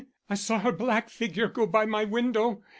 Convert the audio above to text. I saw her black figure go by my window.